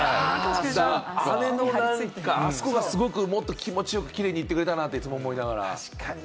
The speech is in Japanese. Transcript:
あそこはすごくもっと気持ちよくキレイに行ってくれたらなっていつも思いながら。